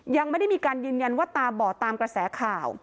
ยังไม่ได้มีการยืนยันว่าตาบอดตามกระแสข่าว